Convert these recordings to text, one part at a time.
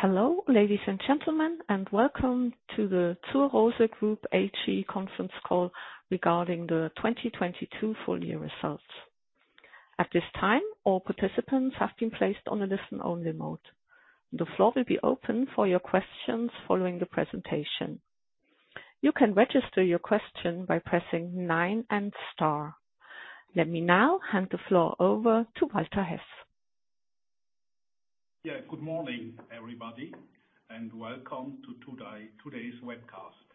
Hello, ladies and gentlemen, welcome to the Zur Rose Group AG conference call regarding the 2022 full year results. At this time, all participants have been placed on a listen-only mode. The floor will be open for your questions following the presentation. You can register your question by pressing nine and star. Let me now hand the floor over to Walter Hess. Yeah. Good morning, everybody, and welcome to today's webcast.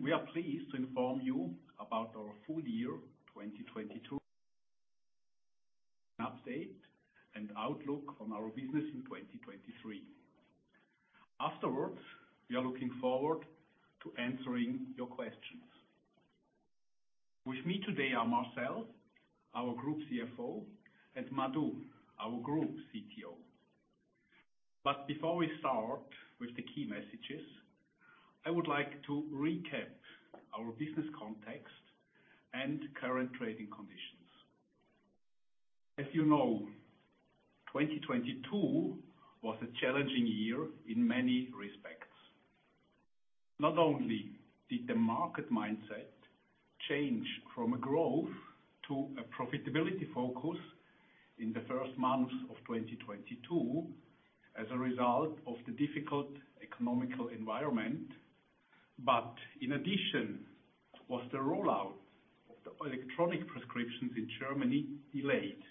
We are pleased to inform you about our full year 2022 update and outlook on our business in 2023. Afterwards, we are looking forward to answering your questions. With me today are Marcel, our group CFO, and Madhu, our group CTO. Before we start with the key messages, I would like to recap our business context and current trading conditions. As you know, 2022 was a challenging year in many respects. Not only did the market mindset change from a growth to a profitability focus in the first months of 2022 as a result of the difficult economic environment, but in addition was the rollout of the electronic prescriptions in Germany delayed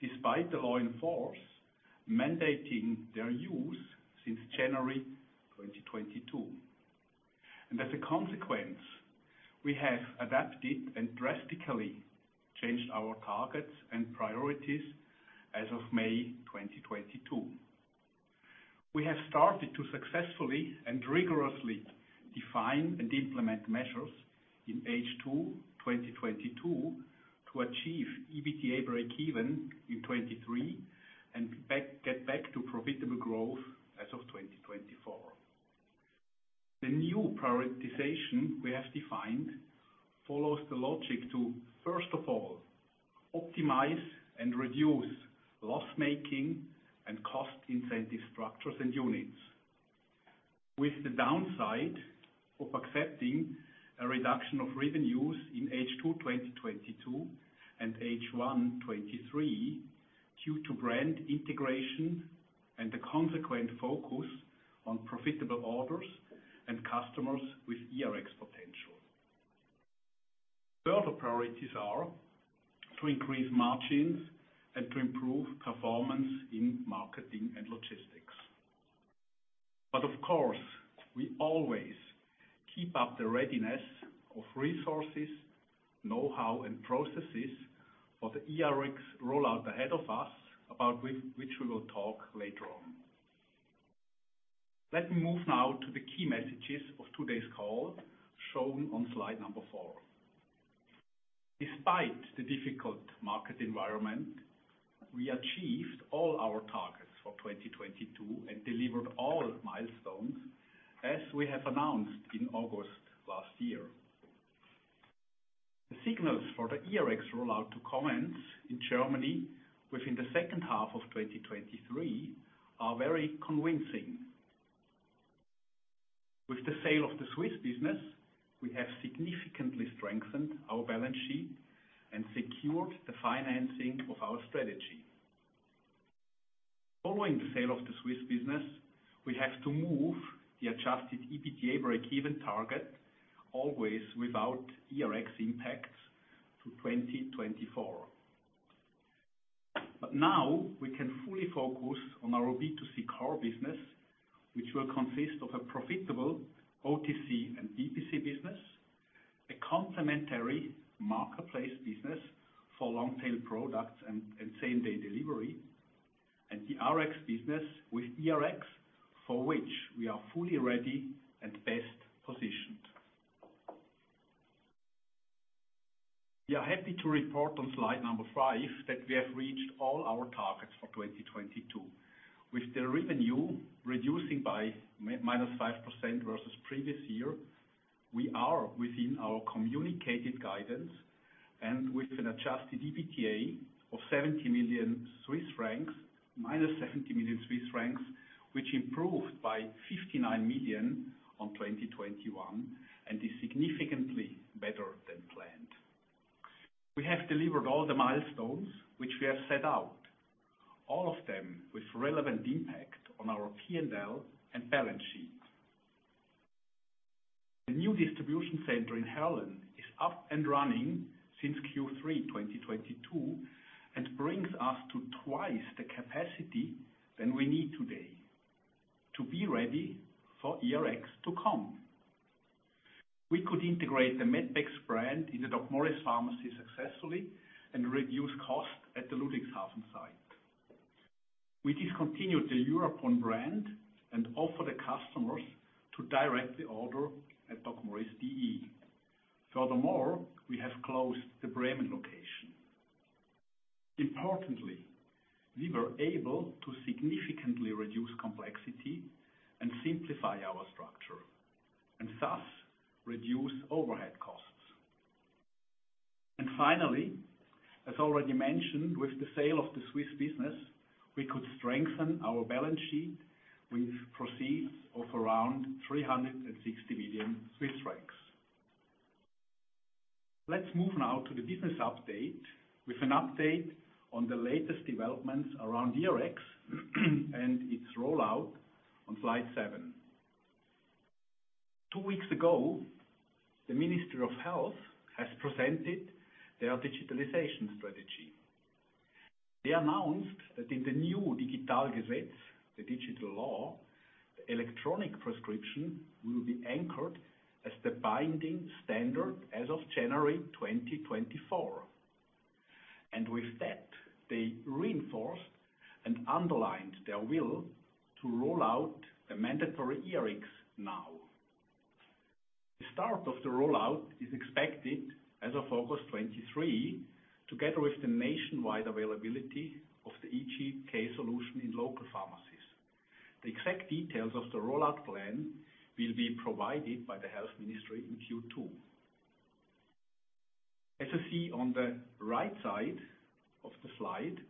despite the law in force mandating their use since January 2022. As a consequence, we have adapted and drastically changed our targets and priorities as of May 2022. We have started to successfully and rigorously define and implement measures in H2 2022 to achieve EBITDA breakeven in 2023 and get back to profitable growth as of 2024. The new prioritization we have defined follows the logic to, first of all, optimize and reduce loss-making and cost incentive structures and units with the downside of accepting a reduction of revenues in H2 2022 and H1 2023 due to brand integration and the consequent focus on profitable orders and customers with eRx potential. Further priorities are to increase margins and to improve performance in marketing and logistics. Of course, we always keep up the readiness of resources, know-how, and processes for the eRx rollout ahead of us, about which we will talk later on. Let me move now to the key messages of today's call, shown on slide number 4. Despite the difficult market environment, we achieved all our targets for 2022 and delivered all milestones as we have announced in August last year. The signals for the eRx rollout to commence in Germany within the second half of 2023 are very convincing. With the sale of the Swiss business, we have significantly strengthened our balance sheet and secured the financing of our strategy. Following the sale of the Swiss business, we have to move the adjusted EBITDA breakeven target, always without eRx impacts, to 2024. Now we can fully focus on our B2C core business, which will consist of a profitable OTC and DTC business, a complementary marketplace business for long-tail products and same-day delivery, and the Rx business with eRx, for which we are fully ready and best positioned. We are happy to report on slide number five that we have reached all our targets for 2022. With the revenue reducing by minus 5% versus previous year, we are within our communicated guidance and with an adjusted EBITDA of 70 million Swiss francs, minus 70 million Swiss francs, which improved by 59 million on 2021 and is significantly better than planned. We have delivered all the milestones which we have set out, all of them with relevant impact on our P&L and balance sheet. The new distribution center in Heerlen is up and running since Q3 2022 and brings us to twice the capacity than we need today to be ready for eRx to come. We could integrate the medpex brand in the DocMorris successfully and reduce costs at the Ludwigshafen site. We discontinued the Eurapon brand and offer the customers to directly order at DocMorris DE. Furthermore, we have closed the Bremen location. Importantly, we were able to significantly reduce complexity and simplify our structure and thus reduce overhead costs. Finally, as already mentioned, with the sale of the Swiss business, we could strengthen our balance sheet with proceeds of around 360 million Swiss francs. Let's move now to the business update with an update on the latest developments around eRx and its rollout on slide 7. Two weeks ago, the Ministry of Health has presented their digitalization strategy. They announced that in the new Digitalgesetz, the digital law, electronic prescription will be anchored as the binding standard as of January 2024. With that, they reinforced and underlined their will to roll out a mandatory eRx now. The start of the rollout is expected as of August 2023, together with the nationwide availability of the eGK solution in local pharmacies. The exact details of the rollout plan will be provided by the Health Ministry in Q2. As you see on the right side of the slide,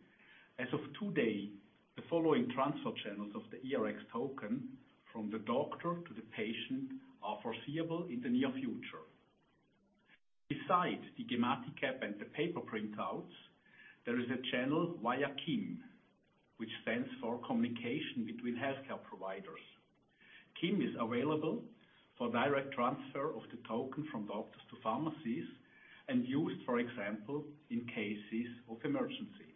as of today, the following transfer channels of the eRx token from the doctor to the patient are foreseeable in the near future. Besides the gematik app and the paper printouts, there is a channel via KIM, which stands for Communication Between Healthcare Providers. KIM is available for direct transfer of the token from doctors to pharmacies and used, for example, in cases of emergency.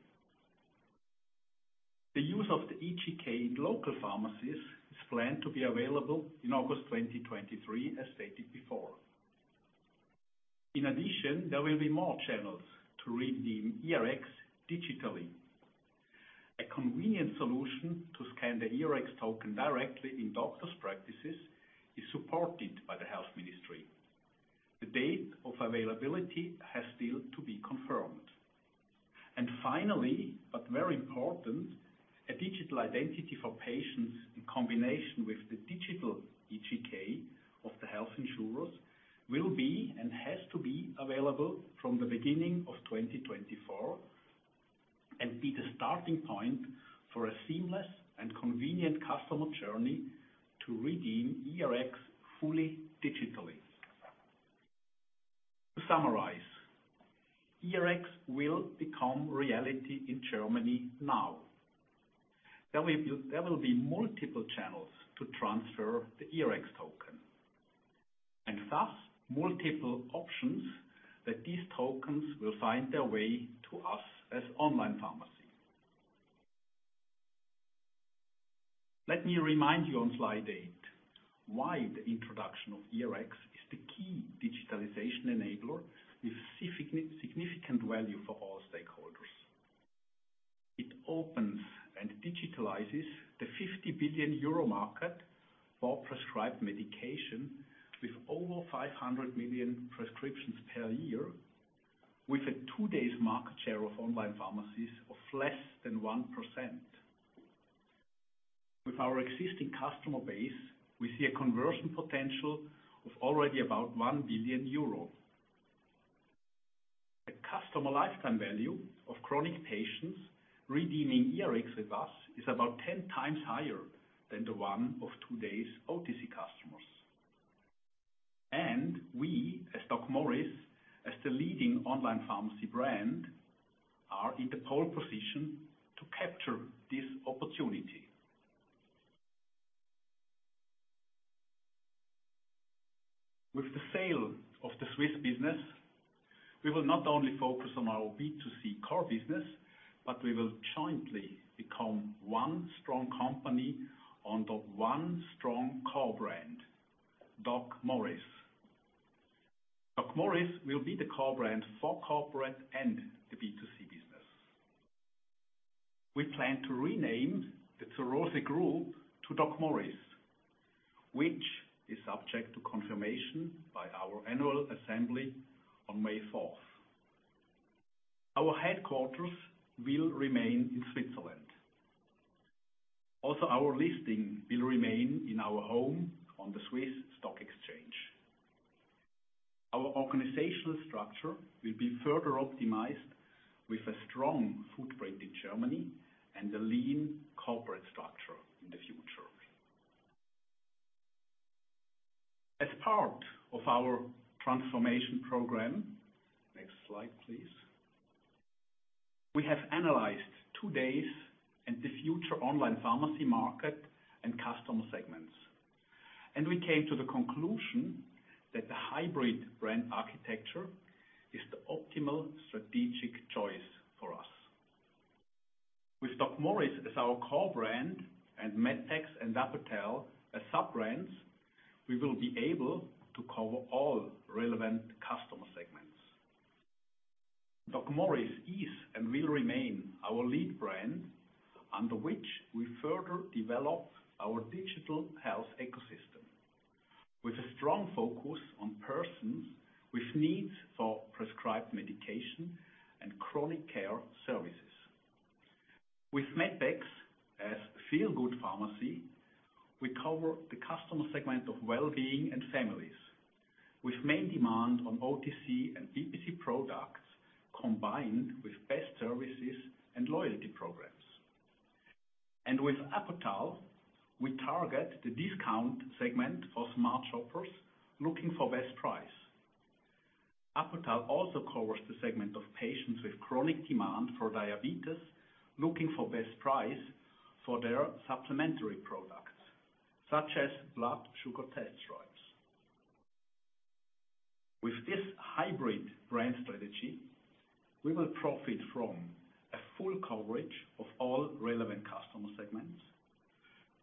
The use of the eGK in local pharmacies is planned to be available in August 2023, as stated before. In addition, there will be more channels to redeem eRx digitally. A convenient solution to scan the eRx token directly in doctor's practices is supported by the Health Ministry. The date of availability has still to be confirmed. A digital identity for patients in combination with the digital eGK of the health insurers will be and has to be available from the beginning of 2024 and be the starting point for a seamless and convenient customer journey to redeem eRx fully digitally. To summarize, eRx will become reality in Germany now. There will be multiple channels to transfer the eRx token, and thus multiple options that these tokens will find their way to us as online pharmacy. Let me remind you on slide 8 why the introduction of eRx is the key digitalization enabler with significant value for all stakeholders. It opens and digitalizes the 50 billion euro market for prescribed medication with over 500 million prescriptions per year, with a today's market share of online pharmacies of less than 1%. With our existing customer base, we see a conversion potential of already about 1 billion euro. The customer lifetime value of chronic patients redeeming eRx with us is about 10 times higher than the one of today's OTC customers. We, as DocMorris, as the leading online pharmacy brand, are in the pole position to capture this opportunity. With the sale of the Swiss business, we will not only focus on our B2C core business, but we will jointly become 1 strong company under 1 strong core brand, DocMorris. DocMorris will be the core brand for corporate and the B2C business. We plan to rename the Zur Rose Group to DocMorris, which is subject to confirmation by our annual assembly on May 4th. Our headquarters will remain in Switzerland. Also, our listing will remain in our home on the SIX Swiss Exchange. Our organizational structure will be further optimized with a strong footprint in Germany and a lean corporate structure in the future. As part of our transformation program, next slide, please, we have analyzed today's and the future online pharmacy market and customer segments. We came to the conclusion that the hybrid brand architecture is the optimal strategic choice for us. With DocMorris as our core brand and medpex and Apotal as sub-brands, we will be able to cover all relevant customer segments. DocMorris is and will remain our lead brand, under which we further develop our digital health ecosystem with a strong focus on persons with needs for prescribed medication and chronic care services. With medpex as feel good pharmacy, we cover the customer segment of well-being and families, with main demand on OTC and BPC products combined with best services and loyalty programs. With Apotal, we target the discount segment of smart shoppers looking for best price. Apotal also covers the segment of patients with chronic demand for diabetes, looking for best price for their supplementary products, such as blood sugar test strips. With this hybrid brand strategy, we will profit from a full coverage of all relevant customer segments,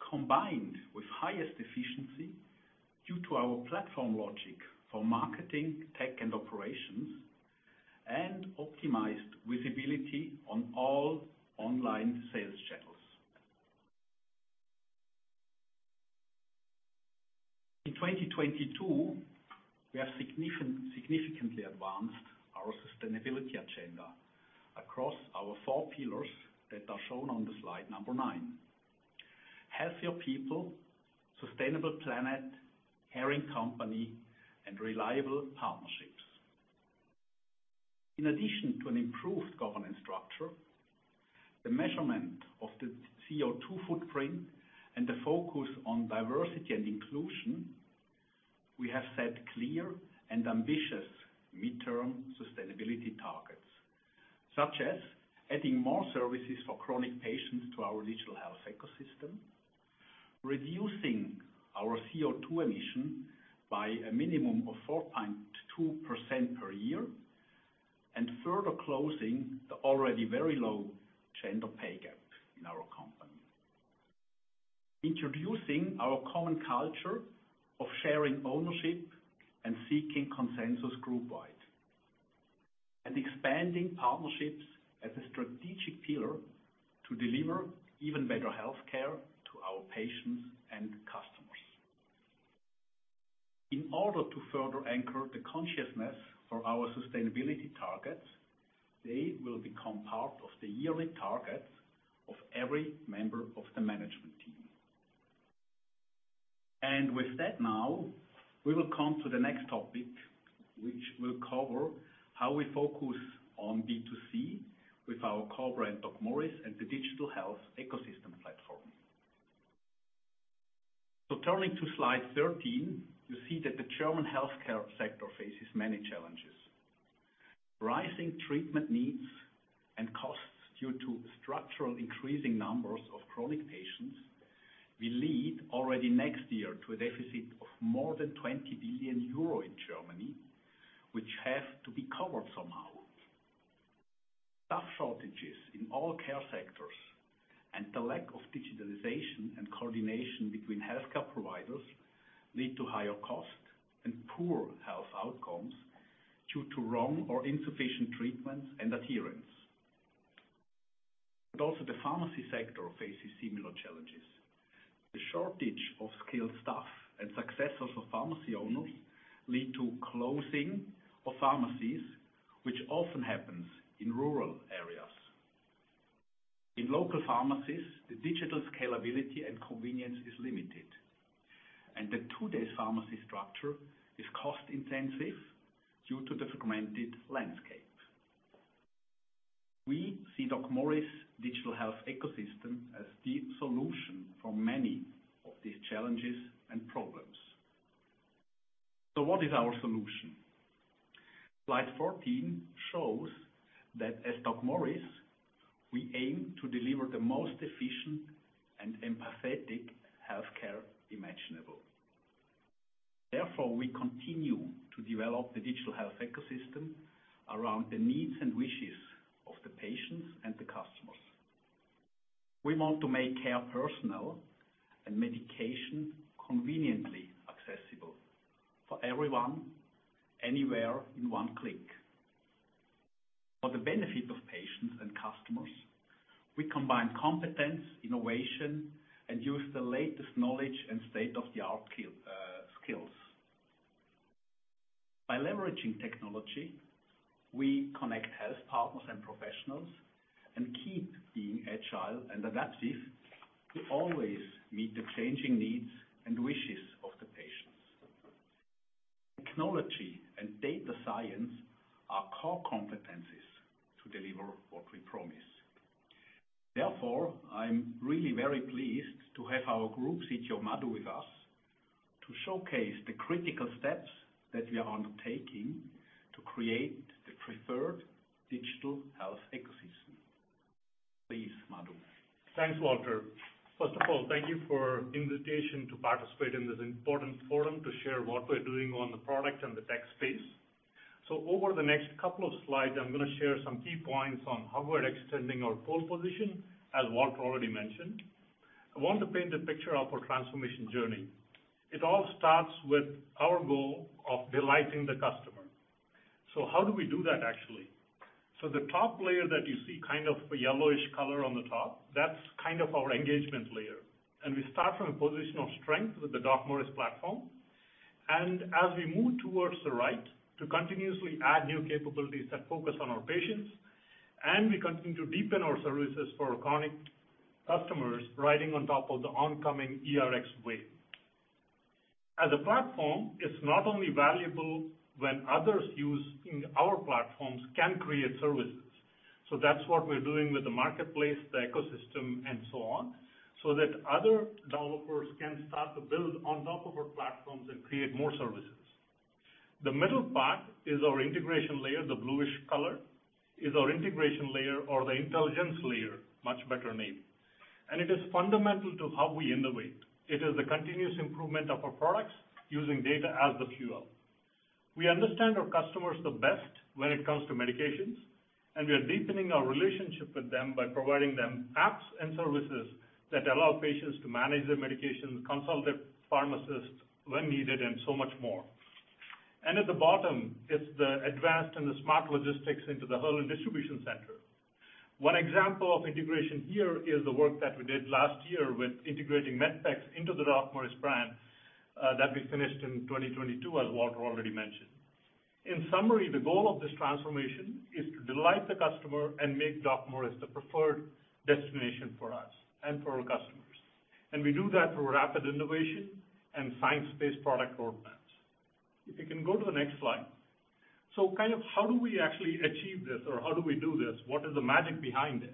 combined with highest efficiency due to our platform logic for marketing, tech, and operations, and optimized visibility on all online sales channels. In 2022, we have significantly advanced our sustainability agenda across our four pillars that are shown on the slide number 9. Healthier people, sustainable planet, caring company, and reliable partnerships. In addition to an improved governance structure, the measurement of the CO2 footprint and the focus on diversity and inclusion, we have set clear and ambitious midterm sustainability targets, such as adding more services for chronic patients to our digital health ecosystem, reducing our CO2 emission by a minimum of 4.2% per year, and further closing the already very low gender pay gap in our company. Introducing our common culture of sharing ownership and seeking consensus group wide. Expanding partnerships as a strategic pillar to deliver even better health care to our patients and customers. In order to further anchor the consciousness for our sustainability targets, they will become part of the yearly targets of every member of the management team. With that now, we will come to the next topic, which will cover how we focus on B2C with our core brand DocMorris and the digital health ecosystem platform. Turning to slide 13, you see that the German healthcare sector faces many challenges. Rising treatment needs and costs due to structural increasing numbers of chronic patients will lead already next year to a deficit of more than 20 billion euro in Germany, which have to be covered somehow. Staff shortages in all care sectors and the lack of digitalization and coordination between healthcare providers lead to higher costs and poor health outcomes due to wrong or insufficient treatment and adherence. Also the pharmacy sector faces similar challenges. The shortage of skilled staff and successors of pharmacy owners lead to closing of pharmacies, which often happens in rural areas. In local pharmacies, the digital scalability and convenience is limited, and the today's pharmacy structure is cost-intensive due to the fragmented landscape. We see DocMorris digital health ecosystem as the solution for many of these challenges and problems. What is our solution? Slide 14 shows that as DocMorris, we aim to deliver the most efficient and empathetic healthcare imaginable. Therefore, we continue to develop the digital health ecosystem around the needs and wishes of the patients and the customers. We want to make care personal and medication conveniently accessible for everyone, anywhere in one click. For the benefit of patients and customers, we combine competence, innovation, and use the latest knowledge and state-of-the-art skills. By leveraging technology, we connect health partners and professionals and keep being agile and adaptive to always meet the changing needs and wishes of the patients. Technology and data science are core competencies to deliver what we promise. Therefore, I'm really very pleased to have our group CTO, Madhu, with us to showcase the critical steps that we are undertaking to create the preferred digital health ecosystem. Please, Madhu. Thanks, Walter. First of all, thank you for invitation to participate in this important forum to share what we're doing on the product and the tech space. Over the next couple of slides, I'm gonna share some key points on how we're extending our pole position, as Walter already mentioned. I want to paint a picture of our transformation journey. It all starts with our goal of delighting the customer. How do we do that actually? The top layer that you see kind of a yellowish color on the top, that's kind of our engagement layer. We start from a position of strength with the DocMorris platform. As we move towards the right to continuously add new capabilities that focus on our patients, and we continue to deepen our services for chronic customers riding on top of the oncoming eRx wave. As a platform, it's not only valuable when others using our platforms can create services. That's what we're doing with the marketplace, the ecosystem, and so on, so that other developers can start to build on top of our platforms and create more services. The middle part is our integration layer. The bluish color is our integration layer or the intelligence layer. Much better name. It is fundamental to how we innovate. It is the continuous improvement of our products using data as the fuel. We understand our customers the best when it comes to medications, and we are deepening our relationship with them by providing them apps and services that allow patients to manage their medications, consult their pharmacists when needed, and so much more. At the bottom is the advanced and the smart logistics into the whole distribution center. One example of integration here is the work that we did last year with integrating medpex into the DocMorris brand, that we finished in 2022, as Walter already mentioned. In summary, the goal of this transformation is to delight the customer and make DocMorris the preferred destination for us and for our customers. We do that through rapid innovation and science-based product roadmaps. If you can go to the next slide. Kind of how do we actually achieve this, or how do we do this? What is the magic behind it?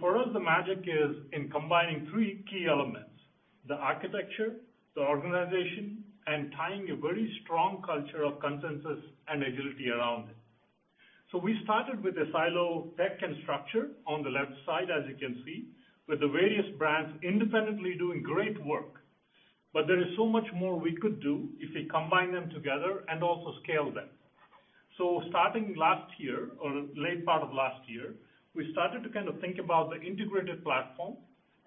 For us, the magic is in combining three key elements: the architecture, the organization, and tying a very strong culture of consensus and agility around it. We started with a silo tech and structure on the left side, as you can see, with the various brands independently doing great work. There is so much more we could do if we combine them together and also scale them. Starting last year or late part of last year, we started to kind of think about the integrated platform,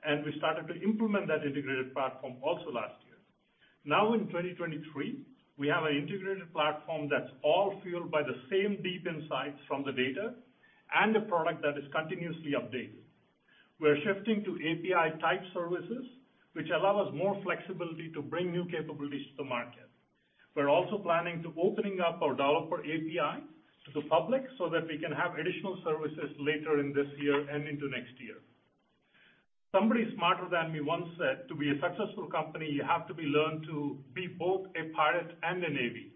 and we started to implement that integrated platform also last year. Now in 2023, we have an integrated platform that's all fueled by the same deep insights from the data and a product that is continuously updated. We're shifting to API-type services, which allow us more flexibility to bring new capabilities to market. We're also planning to opening up our developer API to the public so that we can have additional services later in this year and into next year. Somebody smarter than me once said, "To be a successful company, you have to be learned to be both a pirate and a navy."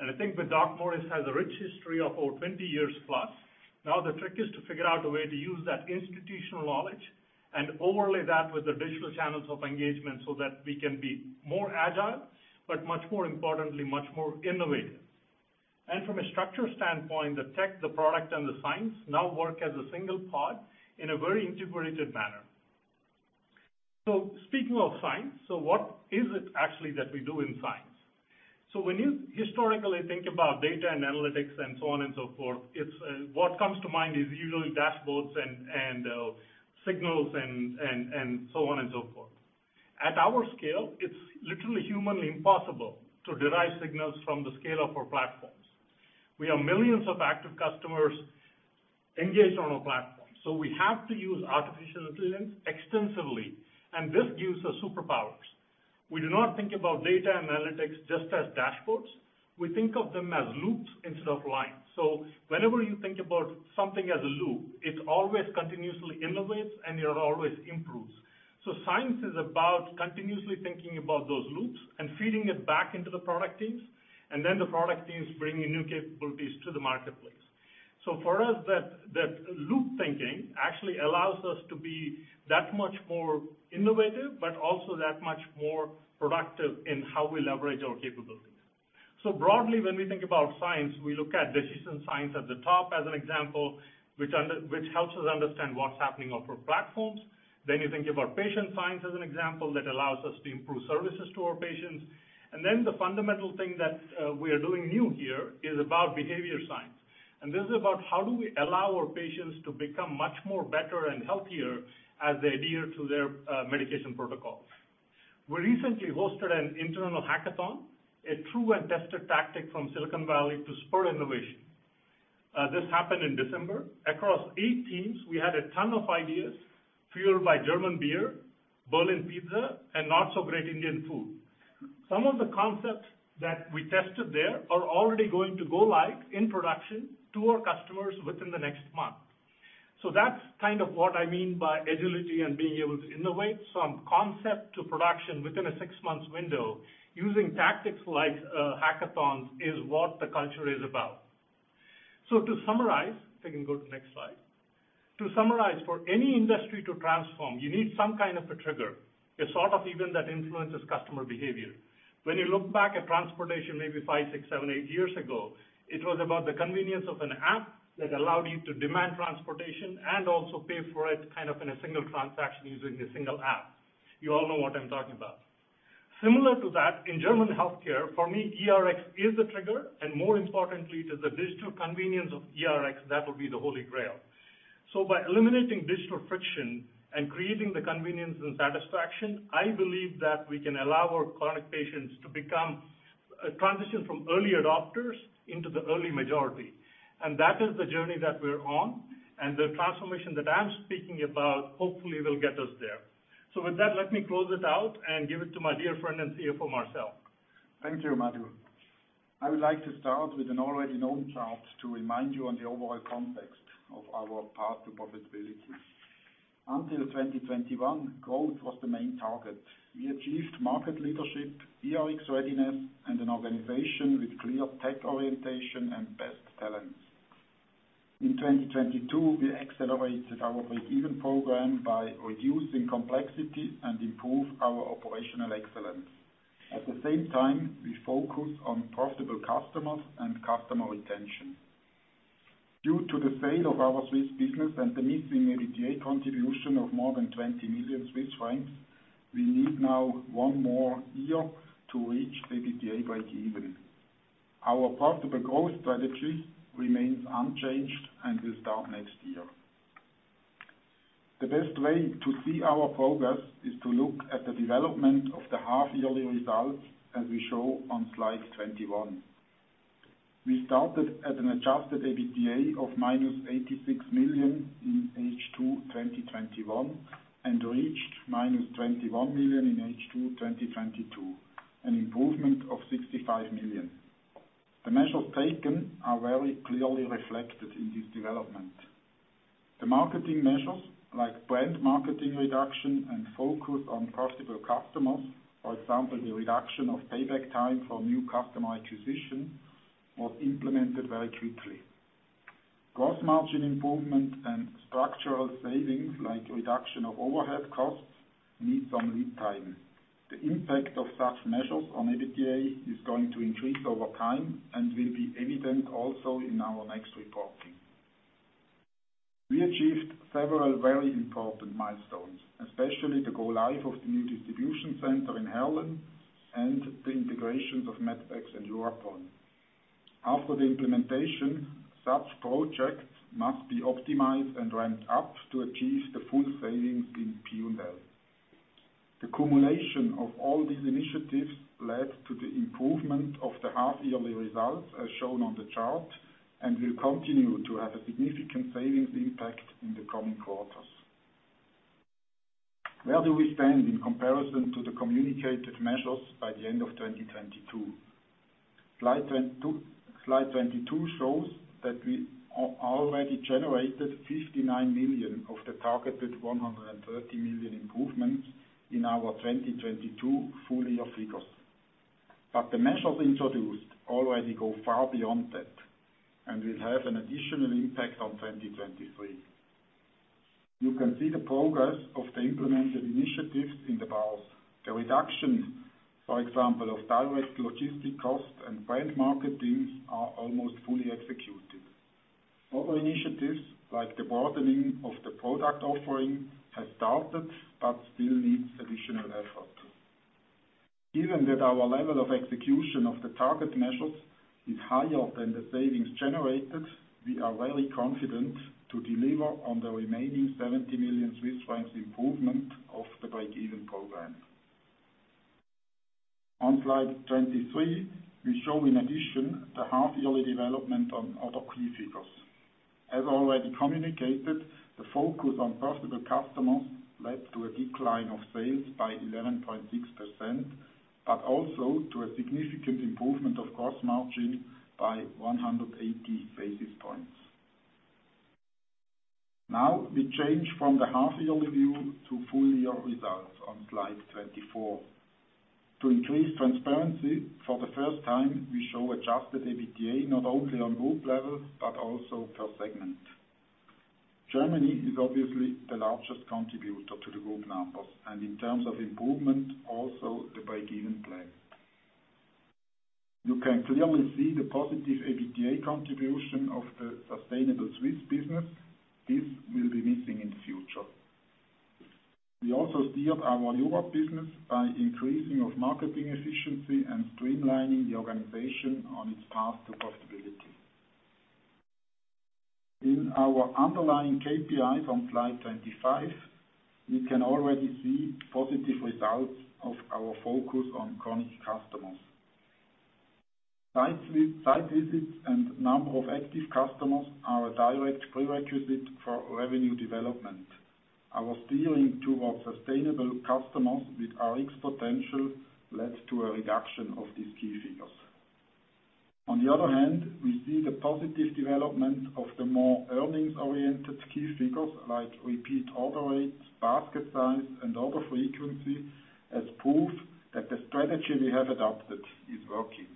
I think that DocMorris has a rich history of over 20 years plus. Now the trick is to figure out a way to use that institutional knowledge and overlay that with the digital channels of engagement so that we can be more agile, but much more importantly, much more innovative. From a structure standpoint, the tech, the product, and the science now work as a single pod in a very integrated manner. Speaking of science, so what is it actually that we do in science? When you historically think about data and analytics and so on and so forth, it's what comes to mind is usually dashboards and signals and so on and so forth. At our scale, it's literally humanly impossible to derive signals from the scale of our platforms. We have millions of active customers engaged on our platform. We have to use artificial intelligence extensively, and this gives us superpowers. We do not think about data analytics just as dashboards. We think of them as loops instead of lines. Whenever you think about something as a loop, it always continuously innovates and it always improves. Science is about continuously thinking about those loops and feeding it back into the product teams, and then the product teams bringing new capabilities to the marketplace. For us, that loop thinking actually allows us to be that much more innovative, but also that much more productive in how we leverage our capabilities. Broadly, when we think about science, we look at decision science at the top as an example, which helps us understand what's happening on our platforms. You think about patient science as an example that allows us to improve services to our patients. The fundamental thing that we are doing new here is about behavior science. This is about how do we allow our patients to become much more better and healthier as they adhere to their medication protocols. We recently hosted an internal hackathon, a true and tested tactic from Silicon Valley to spur innovation. This happened in December. Across eight teams, we had a ton of ideas fueled by German beer, Berlin pizza, and not so great Indian food. Some of the concepts that we tested there are already going to go live in production to our customers within the next month. That's kind of what I mean by agility and being able to innovate. From concept to production within a 6 months window using tactics like hackathons is what the culture is about. To summarize, if I can go to the next slide. To summarize, for any industry to transform, you need some kind of a trigger, a sort of event that influences customer behavior. When you look back at transportation maybe 5, 6, 7, 8 years ago, it was about the convenience of an app that allowed you to demand transportation and also pay for it kind of in a single transaction using a single app. You all know what I'm talking about. Similar to that, in German healthcare, for me, eRx is the trigger, and more importantly, it is the digital convenience of eRx that will be the holy grail. By eliminating digital friction and creating the convenience and satisfaction, I believe that we can allow our chronic patients to become a transition from early adopters into the early majority. That is the journey that we're on, and the transformation that I'm speaking about hopefully will get us there. With that, let me close it out and give it to my dear friend and CFO, Marcel. Thank you, Madhu. I would like to start with an already known chart to remind you on the overall context of our path to profitability. Until 2021, growth was the main target. We achieved market leadership, eRx readiness, and an organization with clear tech orientation and best talents. In 2022, we accelerated our break-even program by reducing complexity and improve our operational excellence. At the same time, we focus on profitable customers and customer retention. Due to the sale of our Swiss business and the missing EBITDA contribution of more than 20 million Swiss francs, we need now one more year to reach the EBITDA breakeven. Our path to the growth strategy remains unchanged and will start next year. The best way to see our progress is to look at the development of the half-yearly results, as we show on slide 21. We started at an adjusted EBITDA of -86 million in H2 2021, and reached -21 million in H2 2022, an improvement of 65 million. The measures taken are very clearly reflected in this development. The marketing measures like brand marketing reduction and focus on profitable customers, for example, the reduction of payback time for new customer acquisition, was implemented very quickly. Gross margin improvement and structural savings like reduction of overhead costs need some lead time. The impact of such measures on EBITDA is going to increase over time and will be evident also in our next reporting. We achieved several very important milestones, especially the go live of the new distribution center in Heerlen and the integrations of medpex and Eurapon. After the implementation, such projects must be optimized and ramped up to achieve the full savings in P&L. The culmination of all these initiatives led to the improvement of the half-yearly results as shown on the chart, and will continue to have a significant savings impact in the coming quarters. Where do we stand in comparison to the communicated measures by the end of 2022? Slide 22 shows that we have already generated 59 million of the targeted 130 million improvements in our 2022 full year figures. The measures introduced already go far beyond that and will have an additional impact on 2023. You can see the progress of the implemented initiatives in the bars. The reduction, for example, of direct logistic costs and brand marketing are almost fully executed. Other initiatives, like the broadening of the product offering, has started but still needs additional effort. Given that our level of execution of the target measures is higher than the savings generated, we are very confident to deliver on the remaining 70 million Swiss francs improvement of the break-even program. On slide 23, we show in addition the half-yearly development on other key figures. Already communicated, the focus on profitable customers led to a decline of sales by 11.6%, but also to a significant improvement of cost margin by 180 basis points. We change from the half-yearly view to full-year results on slide 24. To increase transparency, for the first time, we show adjusted EBITDA not only on group levels but also per segment. Germany is obviously the largest contributor to the group numbers and in terms of improvement, also the break-even plan. You can clearly see the positive EBITDA contribution of the sustainable Swiss business. This will be missing in the future. We also steered our Europe business by increasing of marketing efficiency and streamlining the organization on its path to profitability. In our underlying KPIs on slide 25, we can already see positive results of our focus on chronic customers. Site visits and number of active customers are a direct prerequisite for revenue development. Our steering towards sustainable customers with RX potential led to a reduction of these key figures. On the other hand, we see the positive development of the more earnings-oriented key figures like repeat order rates, basket size, and order frequency as proof that the strategy we have adopted is working.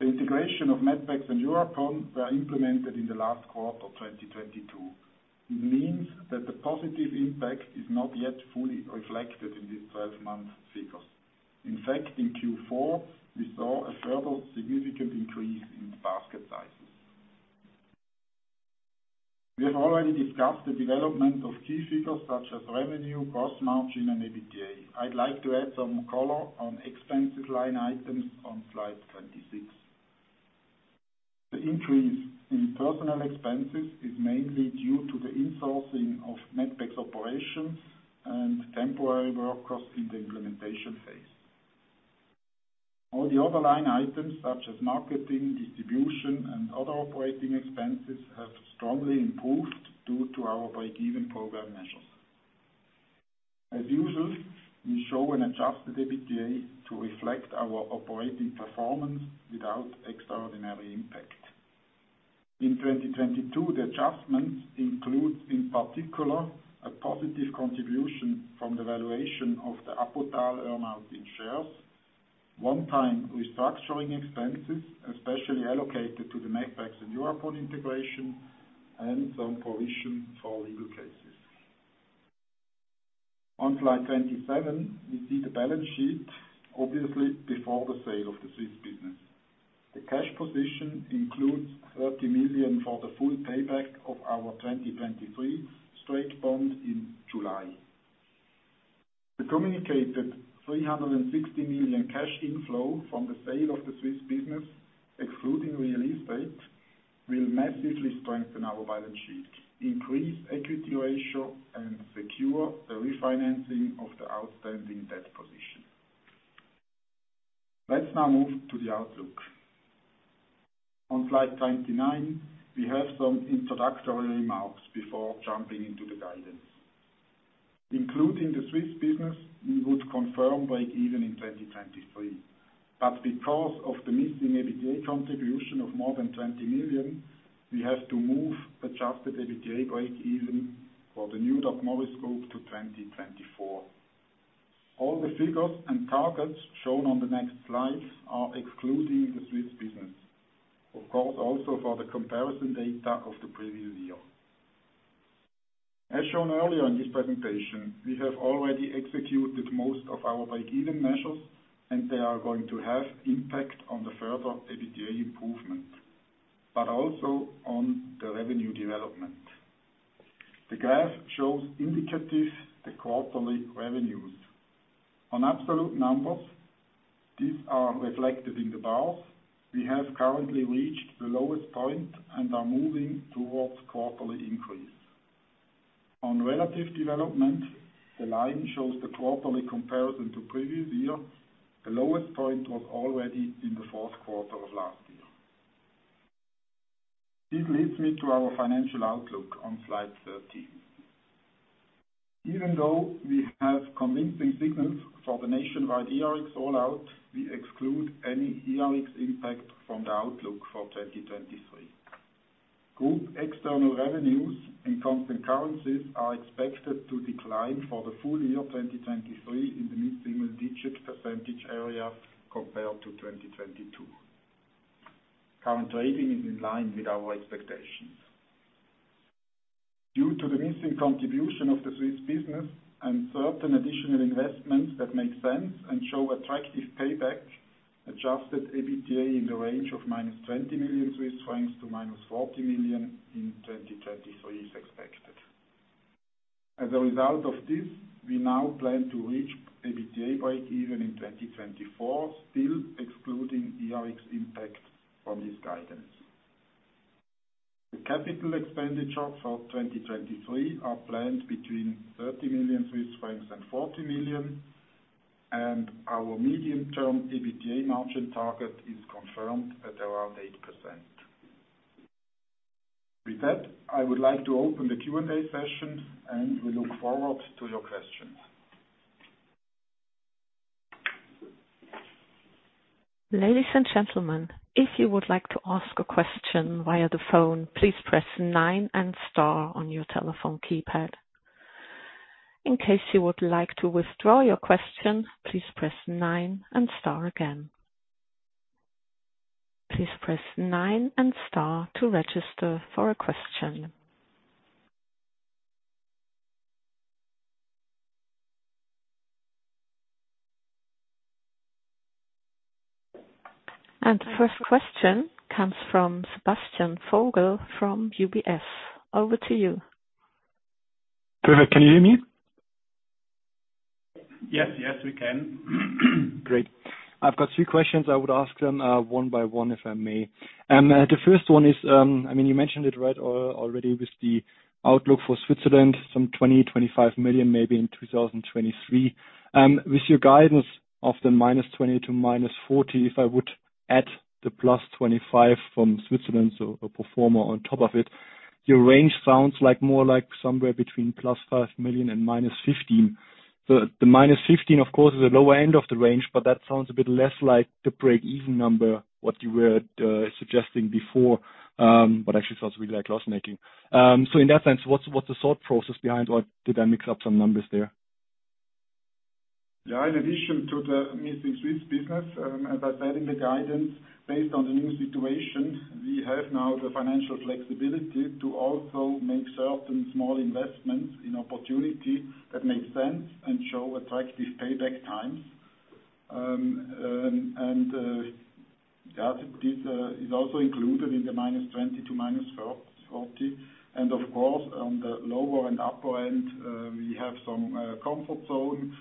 The integration of medpex and Eurapon were implemented in the last quarter of 2022. It means that the positive impact is not yet fully reflected in these 12-month figures. In fact, in Q4, we saw a further significant increase in the basket sizes. We have already discussed the development of key figures such as revenue, cost margin, and EBITDA. I'd like to add some color on expense line items on slide 26. The increase in personal expenses is mainly due to the insourcing of medpex operations and temporary work costs in the implementation phase. All the other line items such as marketing, distribution, and other operating expenses have strongly improved due to our break-even program measures. As usual, we show an adjusted EBITDA to reflect our operating performance without extraordinary impact. In 2022, the adjustments include, in particular, a positive contribution from the valuation of the Apotal earn-out in shares, one time restructuring expenses, especially allocated to the medpex and Eurapon integration, and some provision for legal cases. On slide 27, we see the balance sheet, obviously before the sale of the Swiss business. The cash position includes 30 million for the full payback of our 2023 straight bond in July. The communicated 360 million cash inflow from the sale of the Swiss business, excluding real estate, will massively strengthen our balance sheet, increase equity ratio, and secure the refinancing of the outstanding debt position. Let's now move to the outlook. On slide 29, we have some introductory remarks before jumping into the guidance. Including the Swiss business, we would confirm breakeven in 2023. Because of the missing EBITDA contribution of more than 20 million, we have to move adjusted EBITDA breakeven for the new DocMorris group to 2024. All the figures and targets shown on the next slide are excluding the Swiss business. Of course, also for the comparison data of the previous year. As shown earlier in this presentation, we have already executed most of our breakeven measures, and they are going to have impact on the further EBITDA improvement, but also on the revenue development. The graph shows indicative the quarterly revenues. On absolute numbers, these are reflected in the bars. We have currently reached the lowest point and are moving towards quarterly increase. On relative development, the line shows the quarterly comparison to previous year. The lowest point was already in the fourth quarter of last year. This leads me to our financial outlook on slide 13. Even though we have convincing signals for the nationwide eRx rollout, we exclude any eRx impact from the outlook for 2023. Group external revenues in constant currencies are expected to decline for the full year of 2023 in the mid-single-digit % area compared to 2022. Current trading is in line with our expectations. Due to the missing contribution of the Swiss business and certain additional investments that make sense and show attractive payback, adjusted EBITDA in the range of minus 20 million Swiss francs to minus 40 million in 2023 is expected. As a result of this, we now plan to reach EBITDA breakeven in 2024, still excluding eRx impact from this guidance. The capital expenditure for 2023 are planned between 30 million Swiss francs and 40 million, and our medium-term EBITDA margin target is confirmed at around 8%. With that, I would like to open the Q&A session, and we look forward to your questions. Ladies and gentlemen, if you would like to ask a question via the phone, please press nine and star on your telephone keypad. In case you would like to withdraw your question, please press nine and star again. Please press nine and star to register for a question. The first question comes from Sebastian Vogel from UBS. Over to you. Perfect. Can you hear me? Yes. Yes, we can. Great. I've got three questions. I would ask them, one by one, if I may. The first one is, I mean, you mentioned it right already with the outlook for Switzerland, some 20 million-25 million maybe in 2023. With your guidance of the -20 million to -40 million, if I would add the +25 million from Switzerland, so a pro forma on top of it, your range sounds like more like somewhere between +5 million and -15 million. The -15 million, of course, is the lower end of the range, but that sounds a bit less like the breakeven number, what you were suggesting before, but actually sounds really like loss-making. In that sense, what's the thought process behind, or did I mix up some numbers there? Yeah. In addition to the missing Swiss business, as I said in the guidance, based on the new situation, we have now the financial flexibility to also make certain small investments in opportunity that make sense and show attractive payback times. This is also included in the -20--40. Of course, on the lower and upper end, we have some comfort zone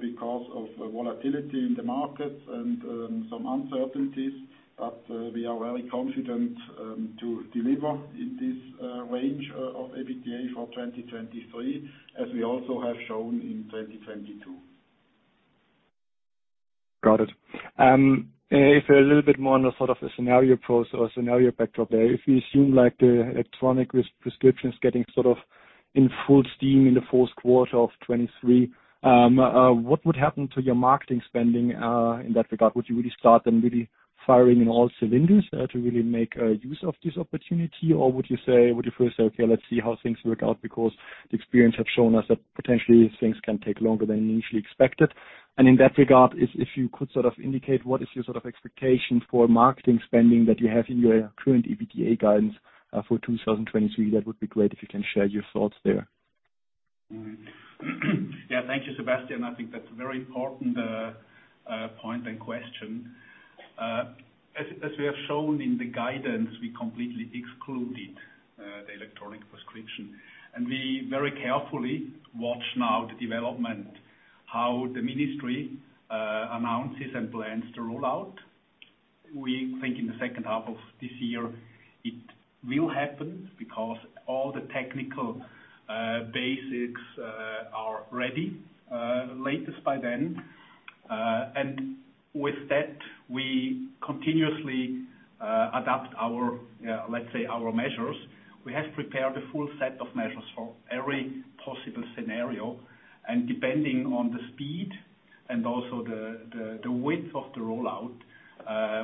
because of volatility in the markets and some uncertainties. We are very confident to deliver in this range of EBITDA for 2023, as we also have shown in 2022. Got it. If a little bit more on the sort of a scenario pro or scenario backdrop there, if you assume like the electronic prescriptions getting sort of in full steam in the fourth quarter of 23, what would happen to your marketing spending in that regard? Would you really start then really firing in all cylinders to really make use of this opportunity? Or would you first say, "Okay, let's see how things work out, because the experience have shown us that potentially things can take longer than initially expected." In that regard, if you could sort of indicate what is your sort of expectation for marketing spending that you have in your current EBITDA guidance for 2023, that would be great if you can share your thoughts there. Thank you, Sebastian. I think that's a very important point and question. As we have shown in the guidance, we completely excluded the electronic prescription, and we very carefully watch now the development, how the Ministry of Health announces and plans to roll out. We think in the second half of this year it will happen because all the technical basics are ready latest by then. With that, we continuously adapt our, let's say, our measures. We have prepared a full set of measures for every possible scenario, and depending on the speed and also the width of the rollout,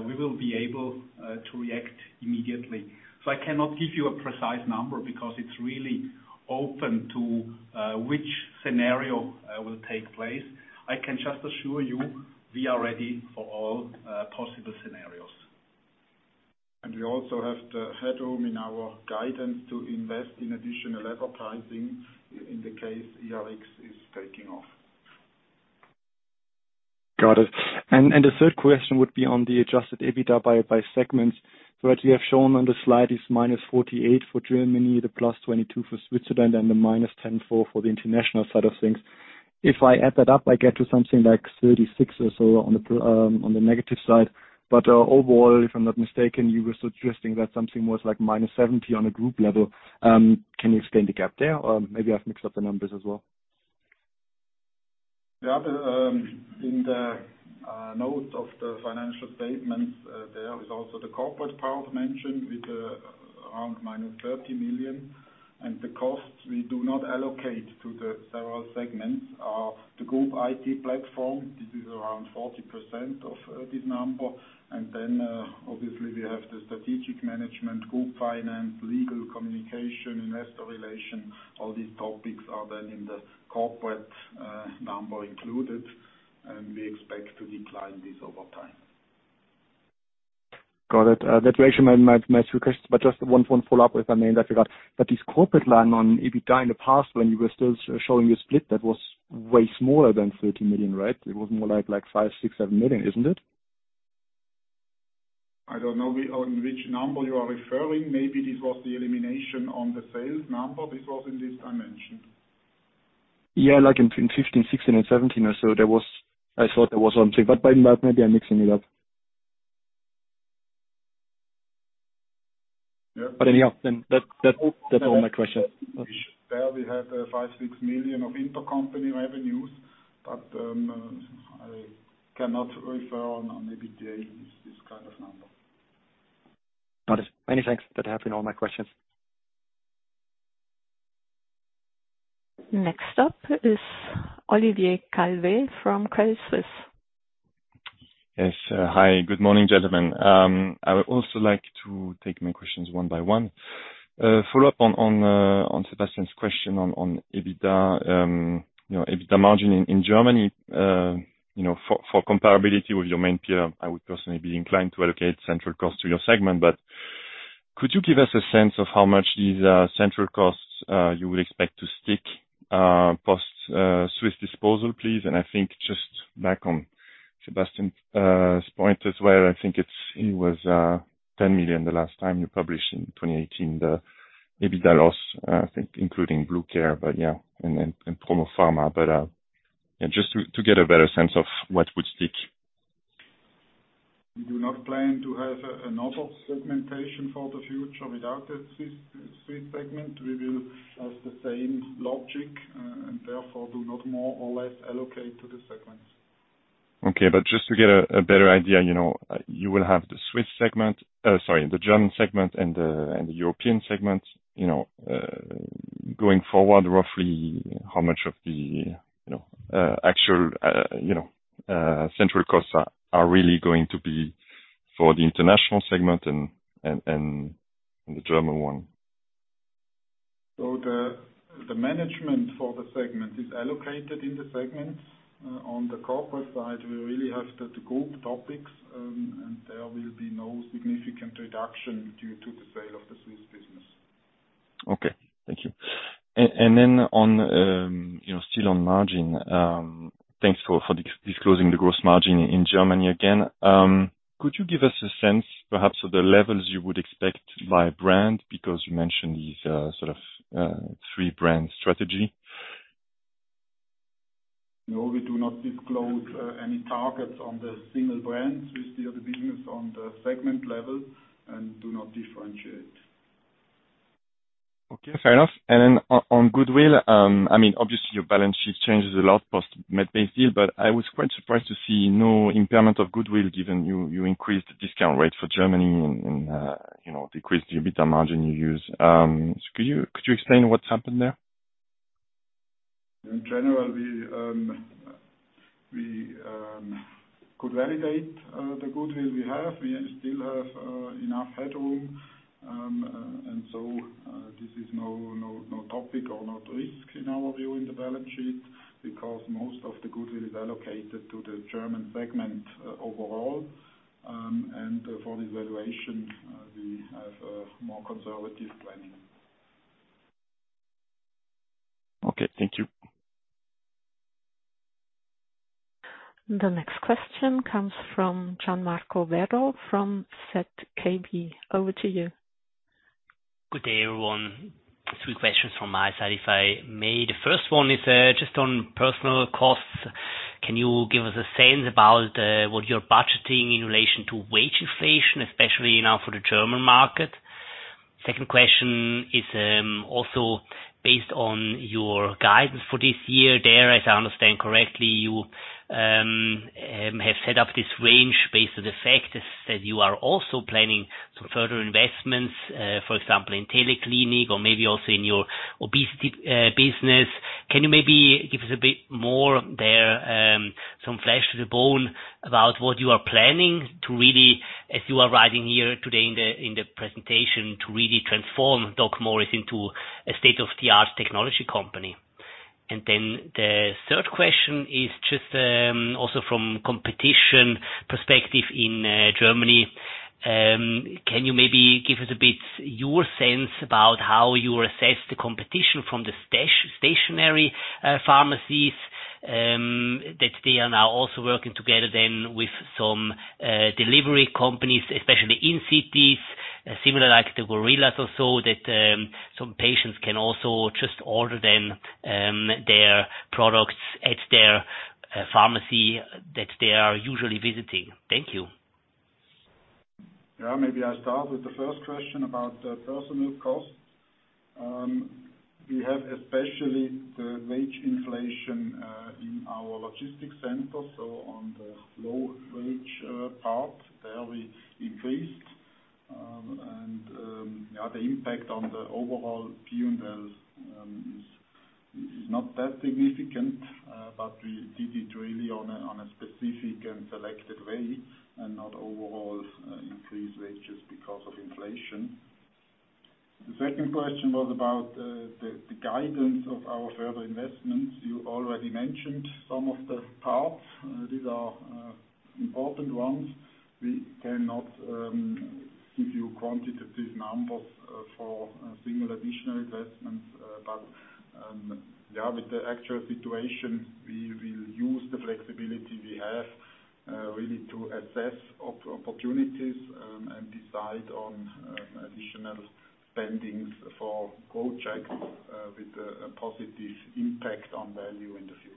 we will be able to react immediately. I cannot give you a precise number because it's really open to which scenario will take place. I can just assure you we are ready for all possible scenarios. we also have the headroom in our guidance to invest in additional advertising in the case eRx is taking off. Got it. The third question would be on the adjusted EBITDA by segments. As you have shown on the slide is minus 48 for Germany, the plus 22 for Switzerland, and the minus 10 for the international side of things. If I add that up, I get to something like 36 or so on the negative side. Overall, if I'm not mistaken, you were suggesting that something was like minus 70 on a group level. Can you explain the gap there, or maybe I've mixed up the numbers as well? The other, in the notes of the financial statements, there is also the corporate part mentioned with around minus 30 million. The costs we do not allocate to the several segments are the group IT platform. This is around 40% of this number. Obviously we have the strategic management, group finance, legal communication, investor relation. All these topics are then in the corporate number included, and we expect to decline this over time. Got it. That actually my two questions, just one follow-up with, I mean, I forgot. This corporate line on EBITDA in the past when you were still showing your split, that was way smaller than 30 million, right? It was more like 5, 6, 7 million, isn't it? I don't know on which number you are referring. Maybe this was the elimination on the sales number. This was in this dimension. Yeah, like in 15, 16, and 17 or so, there was, I thought there was something, but maybe I'm mixing it up. Yeah. Anyhow, then that's all my questions. There we had 5, 6 million of intercompany revenues, but I cannot refer on EBITDA this kind of number. Got it. Many thanks. That have been all my questions. Next up is Olivier Calvet from Credit Suisse. Yes. Hi, good morning, gentlemen. I would also like to take my questions one by one. Follow up on Sebastian's question on EBITDA, you know, EBITDA margin in Germany. You know, for comparability with your main peer, I would personally be inclined to allocate central costs to your segment. Could you give us a sense of how much these central costs you would expect to stick post Swiss disposal, please? I think just back on Sebastian's point as well, I think it was 10 million the last time you published in 2018 the EBITDA loss, I think including BlueCare AG, but yeah, and then PromoFarma. Just to get a better sense of what would stick. We do not plan to have another segmentation for the future without the Swiss segment. We will have the same logic, and therefore do not more or less allocate to the segments. Okay. Just to get a better idea, you know, you will have the German segment and the European segment. You know, going forward, roughly how much of the, you know, actual, you know, central costs are really going to be for the international segment and the German one? The management for the segment is allocated in the segment. On the corporate side, we really have the group topics, there will be no significant reduction due to the sale of the Swiss business. Okay. Thank you. On, you know, still on margin, thanks for disclosing the gross margin in Germany again. Could you give us a sense perhaps of the levels you would expect by brand? You mentioned these three brand strategy. No, we do not disclose any targets on the single brands. We steer the business on the segment level and do not differentiate. Okay, fair enough. On goodwill, I mean, obviously your balance sheet changes a lot post Medbase deal, I was quite surprised to see no impairment of goodwill given you increased the discount rate for Germany and, you know, decreased the EBITDA margin you use. Could you explain what's happened there? In general, we could validate the goodwill we have. We still have enough headroom. This is no topic or not risk in our view in the balance sheet because most of the goodwill is allocated to the German segment overall. For the valuation, we have a more conservative planning. Okay, thank you. The next question comes from Gian Marco Werro from ZKB. Over to you. Good day, everyone. Three questions from my side, if I may. The first one is just on personal costs. Can you give us a sense about what you're budgeting in relation to wage inflation, especially now for the German market? Second question is also based on your guidance for this year. There, as I understand correctly, you have set up this range based on the fact that you are also planning some further investments, for example, in TeleClinic or maybe also in your obesity business. Can you maybe give us a bit more there, some flesh to the bone about what you are planning to really, as you are writing here today in the presentation, to really transform DocMorris into a state-of-the-art technology company? The third question is just also from competition perspective in Germany. Can you maybe give us a bit your sense about how you assess the competition from the stationary pharmacies that they are now also working together then with some delivery companies, especially in cities, similar like the Gorillas or so, that some patients can also just order them their products at their pharmacy that they are usually visiting. Thank you. Maybe I'll start with the first question about the personal costs. We have especially the wage inflation in our logistics center, on the low wage part, there we increased. The impact on the overall P&L is not that significant, we did it really on a specific and selected way and not overall increase wages because of inflation. The second question was about the guidance of our further investments. You already mentioned some of the parts. These are important ones. We cannot give you quantitative numbers for single additional investments. Yeah, with the actual situation, we will use the flexibility we have really to assess opportunities and decide on additional spendings for projects with a positive impact on value in the future.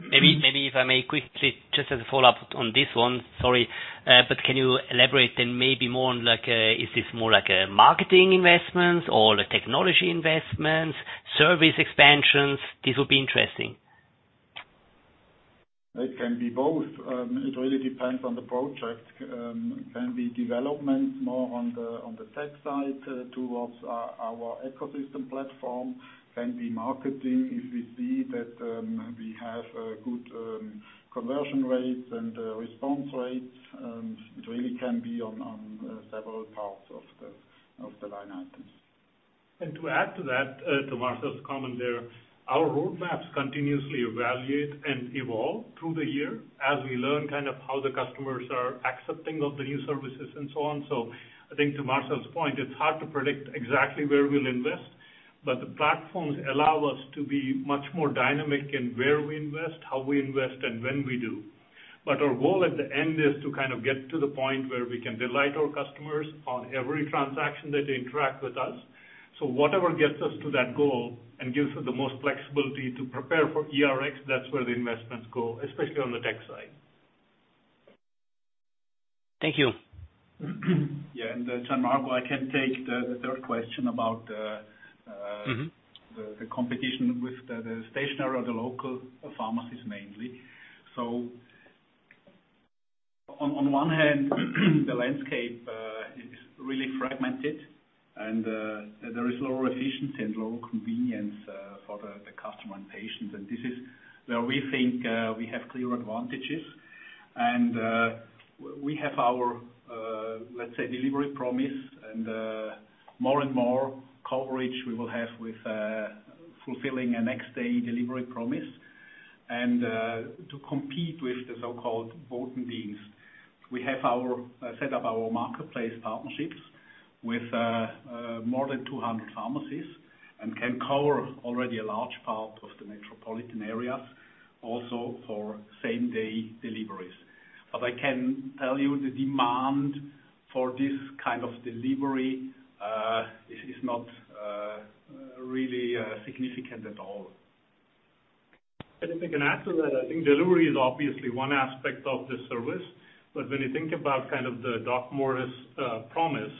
Maybe if I may quickly, just as a follow-up on this one, sorry. Can you elaborate then maybe more on like, is this more like a marketing investments or technology investments, service expansions? This would be interesting. It can be both. It really depends on the project. It can be development more on the tech side towards our ecosystem platform, can be marketing if we see that we have a good conversion rates and response rates. It really can be on several parts of the line items. To add to that, to Marcel's comment there, our roadmaps continuously evaluate and evolve through the year as we learn kind of how the customers are accepting of the new services and so on. I think to Marcel's point, it's hard to predict exactly where we'll invest, but the platforms allow us to be much more dynamic in where we invest, how we invest, and when we do. Our goal at the end is to kind of get to the point where we can delight our customers on every transaction that they interact with us. Whatever gets us to that goal and gives the most flexibility to prepare for eRx, that's where the investments go, especially on the tech side. Thank you. Yeah, Gian Marco, I can take the third question about. Mm-hmm the competition with the stationary or the local pharmacies mainly. On one hand, the landscape is really fragmented and there is lower efficiency and lower convenience for the customer and patients. This is where we think we have clear advantages. We have our, let's say, delivery promise and more and more coverage we will have with fulfilling a next day delivery promise and to compete with the so-called Botendienst. Set up our marketplace partnerships with more than 200 pharmacies and can cover already a large part of the metropolitan areas also for same day deliveries. I can tell you the demand for this kind of delivery is not really significant at all. If I can add to that, I think delivery is obviously one aspect of this service. When you think about kind of the DocMorris promise,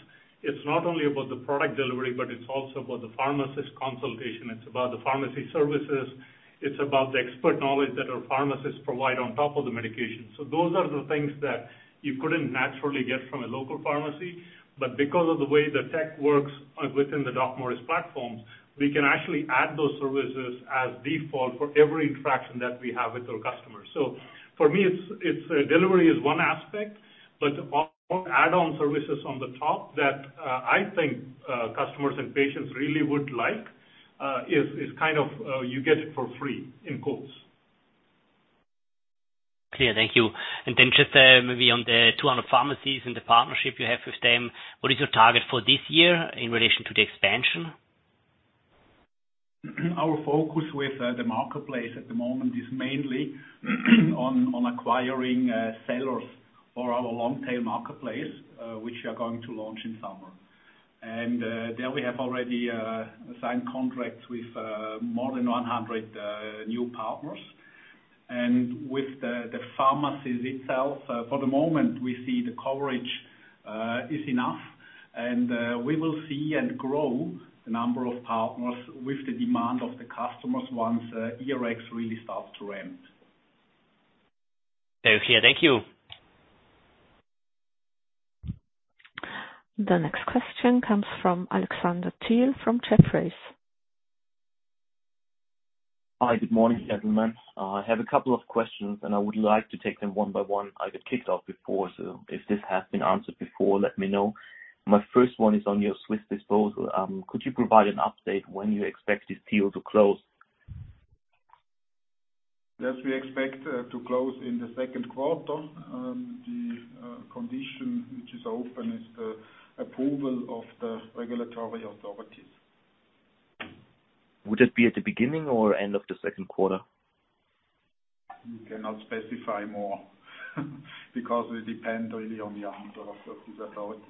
it's not only about the product delivery, but it's also about the pharmacist consultation. It's about the pharmacy services. It's about the expert knowledge that our pharmacists provide on top of the medication. Those are the things that you couldn't naturally get from a local pharmacy. Because of the way the tech works within the DocMorris platforms, we can actually add those services as default for every interaction that we have with our customers. For me, it's delivery is one aspect, but add-on services on the top that, I think customers and patients really would like, is kind of, you get it for free in quotes. Clear. Thank you. Then just, maybe on the two other pharmacies and the partnership you have with them, what is your target for this year in relation to the expansion? Our focus with the marketplace at the moment is mainly on acquiring sellers for our long tail marketplace which we are going to launch in summer. There we have already signed contracts with more than 100 new partners. With the pharmacies itself, for the moment we see the coverage is enough and we will see and grow the number of partners with the demand of the customers once eRx really starts to ramp. Very clear. Thank you. The next question comes from Alexander Thiel from Jefferies. Hi. Good morning, gentlemen. I have a couple of questions. I would like to take them one by one. I got kicked off before. If this has been answered before, let me know. My first one is on your Swiss disposal. Could you provide an update when you expect this deal to close? We expect to close in the second quarter. The condition which is open is the approval of the regulatory authorities. Would it be at the beginning or end of the second quarter? We cannot specify more because we depend really on the answer of the authorities.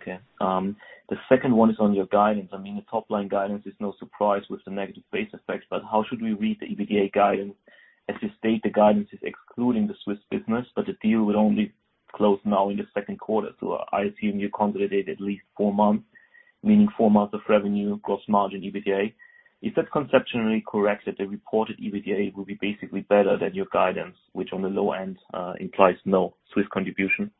Okay. The second one is on your guidance. I mean, the top line guidance is no surprise with the negative base effects, how should we read the EBITDA guidance? As you state, the guidance is excluding the Swiss business, the deal will only close now in the second quarter. I assume you consolidate at least four months, meaning four months of revenue, gross margin, EBITDA. Is that conceptually correct, that the reported EBITDA will be basically better than your guidance, which on the low end implies no Swiss contribution?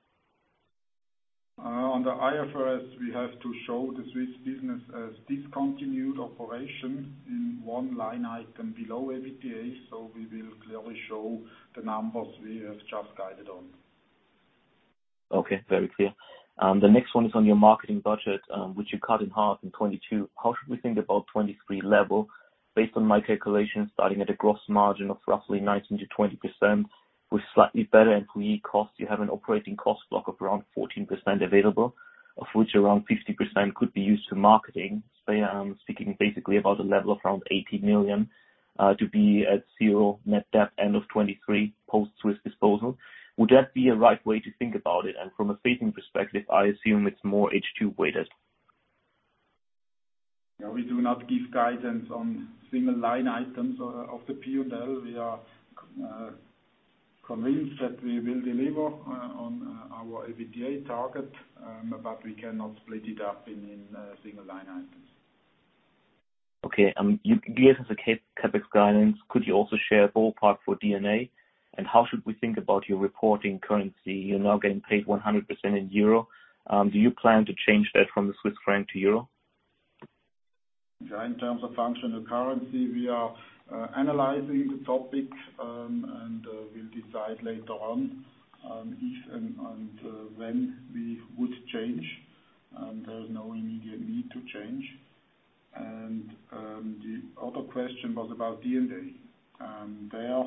On the IFRS, we have to show the Swiss business as discontinued operations in one line item below EBITDA. We will clearly show the numbers we have just guided on. Okay. Very clear. The next one is on your marketing budget, which you cut in half in 2022. How should we think about 2023 level? Based on my calculations, starting at a gross margin of roughly 19%-20% with slightly better employee costs, you have an operating cost block of around 14% available, of which around 50% could be used for marketing. Yeah, I'm speaking basically about a level of around 80 million to be at zero net debt end of 2023 post-Swiss disposal. Would that be a right way to think about it? From a seasoning perspective, I assume it's more H2 weighted. We do not give guidance on single line items of the P&L. We are convinced that we will deliver on our EBITDA target, but we cannot split it up in single line items. Okay. You gave us a CAPEX guidance. Could you also share ballpark for D&A? How should we think about your reporting currency? You're now getting paid 100% in EUR. Do you plan to change that from CHF to EUR? In terms of functional currency, we are analyzing the topic, and we'll decide later on if and when we would change. There's no immediate need to change. The other question was about D&A. There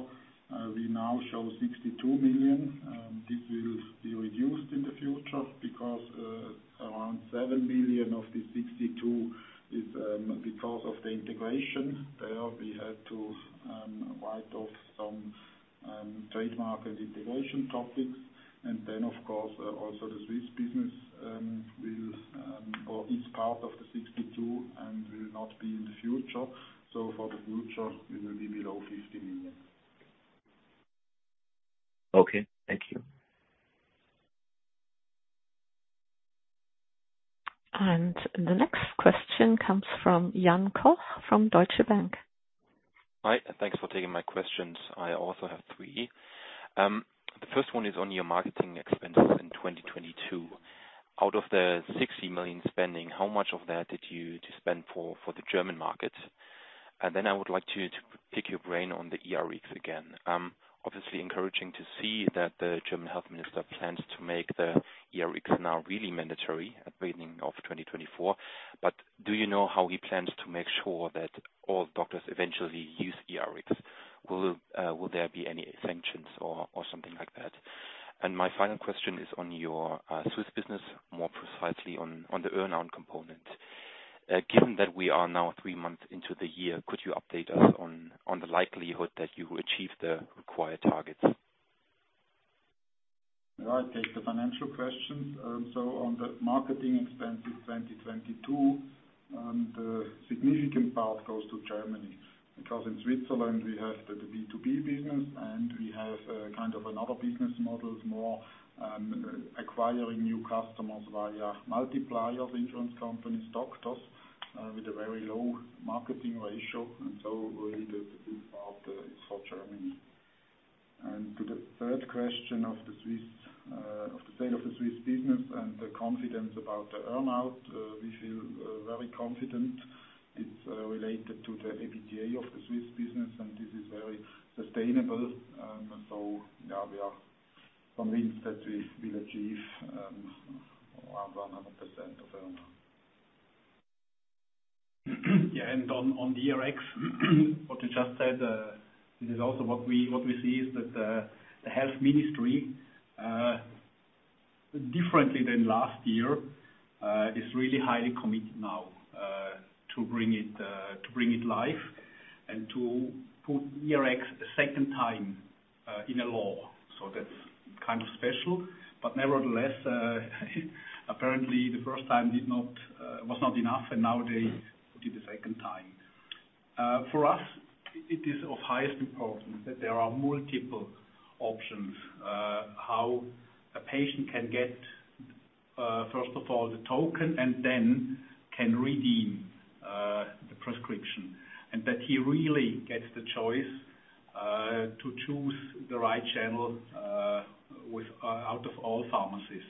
we now show 62 million. This will be reduced in the future because around 7 million of the 62 is because of the integration. There we had to write off some trademark and integration topics. Of course, also the Swiss business will or is part of the 62 and will not be in the future. For the future it will be below 50 million. Okay. Thank you. The next question comes from Jan Koch from Deutsche Bank. Hi, thanks for taking my questions. I also have three. The first one is on your marketing expenses in 2022. Out of the 60 million spending, how much of that did you spend for the German market? I would like to pick your brain on the eRx again. Obviously encouraging to see that the German Health Minister plans to make the eRx now really mandatory at beginning of 2024. Do you know how he plans to make sure that all doctors eventually use eRx? Will there be any sanctions or something like that? My final question is on your Swiss business, more precisely on the earn-out component. Given that we are now 3 months into the year, could you update us on the likelihood that you will achieve the required targets? Yeah, I take the financial questions. On the marketing expenses 2022, the significant part goes to Germany because in Switzerland we have the B2B business and we have kind of another business models more acquiring new customers via multiplier of insurance companies, doctors, with a very low marketing ratio. Really the good part is for Germany. To the third question of the state of the Swiss business and the confidence about the earn-out, we feel very confident it's related to the EBITDA of the Swiss business, and this is very sustainable. Yeah, we are convinced that we will achieve 100% of earn-out. Yeah. On the eRx what you just said, this is also what we see is that the Health Ministry, differently than last year, is really highly committed now to bring it to bring it live and to put eRx a second time in a law. That's kind of special. Nevertheless, apparently the first time did not was not enough, and now they do the second time. For us, it is of highest importance that there are multiple options, how a patient can get, first of all, the token and then can redeem the prescription. That he really gets the choice to choose the right channel out of all pharmacies.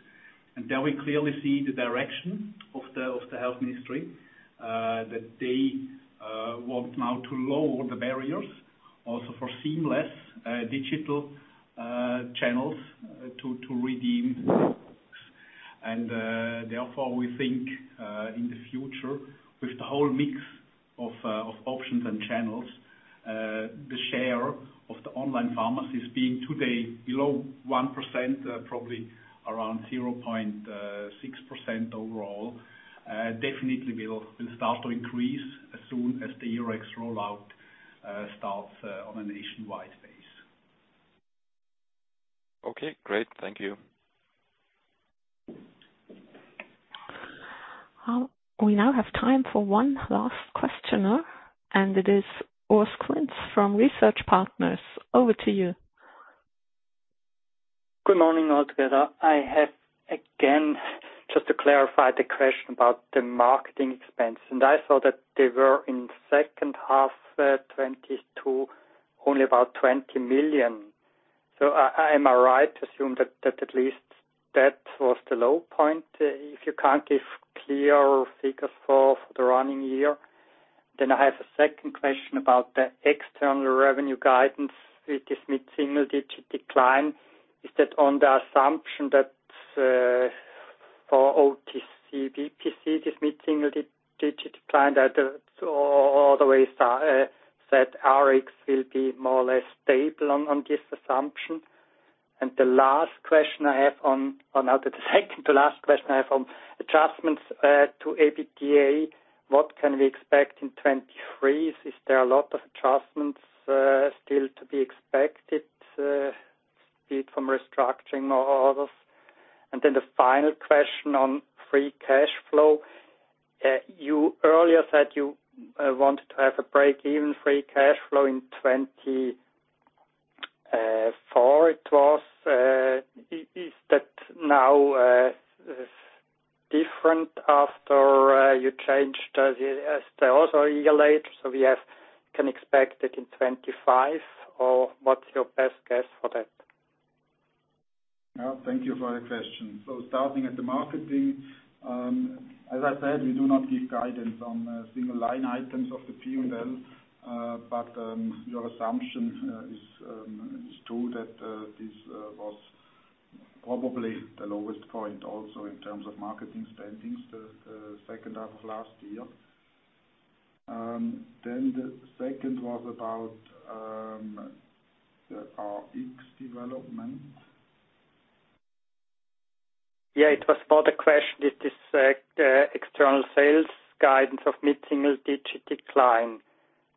There we clearly see the direction of the Health Ministry, that they want now to lower the barriers also for seamless digital channels to redeem. Therefore, we think in the future, with the whole mix of options and channels, the share of the online pharmacies being today below 1%, probably around 0.6% overall, definitely will start to increase as soon as the Rx rollout starts on a nationwide base. Okay, great. Thank you. We now have time for one last questioner, and it is Urs Kunz from Research Partners. Over to you. Good morning, all together. I have, again, just to clarify the question about the marketing expense. I saw that they were in second half 2022, only about 20 million. Am I right to assume that at least that was the low point? If you can't give clear figures for the running year, I have a second question about the external revenue guidance. It is mid-single digit decline. Is that on the assumption that for OTC, B2C, this mid-single digit decline that all the way said Rx will be more or less stable on this assumption? The second to last question I have on adjustments to EBITDA, what can we expect in 2023? Is there a lot of adjustments still to be expected, be it from restructuring or others? The final question on free cash flow. You earlier said you wanted to have a break-even free cash flow in 2024, it was. Is that now different after you changed the they also dilute, so we can expect it in 2025, or what's your best guess for that? Thank you for the question. Starting at the marketing, as I said, we do not give guidance on single line items of the P&L. Your assumption is true that this was probably the lowest point also in terms of marketing spendings the second half of last year. The second was about the Rx development. It was for the question, is this external sales guidance of mid-single digit decline-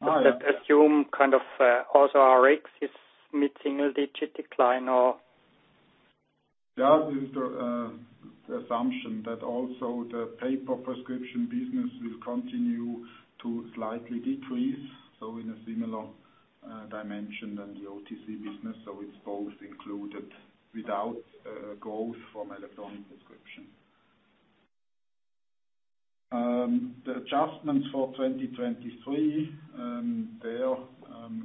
Oh, yeah. -that assume kind of, also Rx is mid-single digit decline, or? Yeah. This is the assumption that also the paper prescription business will continue to slightly decrease, so in a similar dimension than the OTC business. It's both included without growth from electronic prescription. The adjustments for 2023, there,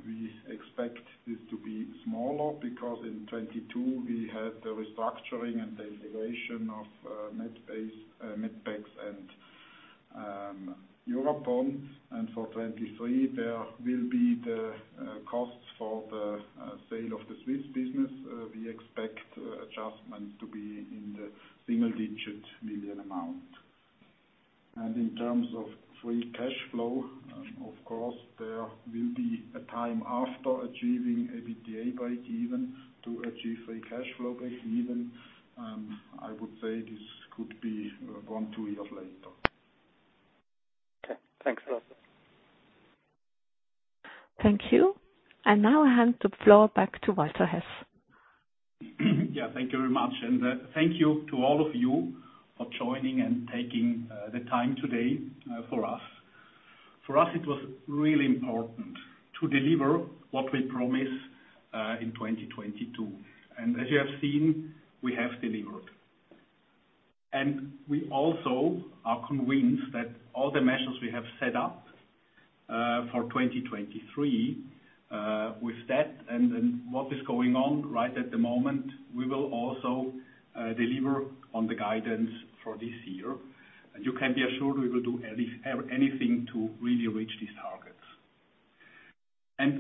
we expect this to be smaller because in 2022 we had the restructuring and the integration of medpex and Eurapon. For 2023, there will be the costs for the sale of the Swiss business. We expect adjustments to be in the single-digit million amount. In terms of free cash flow, of course, there will be a time after achieving EBITDA break even to achieve free cash flow break even. I would say this could be one, two years later. Okay, thanks a lot. Thank you. Now I hand the floor back to Walter Hess. Yeah, thank you very much. Thank you to all of you for joining and taking the time today for us. For us, it was really important to deliver what we promised in 2022. As you have seen, we have delivered. We also are convinced that all the measures we have set up for 2023, with that and what is going on right at the moment, we will also deliver on the guidance for this year. You can be assured we will do anything to really reach these targets.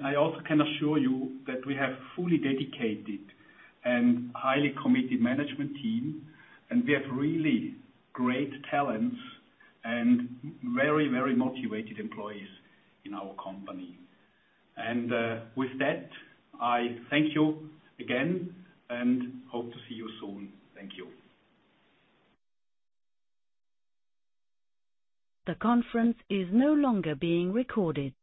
I also can assure you that we have fully dedicated and highly committed management team, and we have really great talents and very, very motivated employees in our company. With that, I thank you again and hope to see you soon. Thank you. The conference is no longer being recorded.